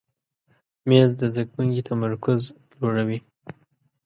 مېز د زده کوونکي تمرکز لوړوي.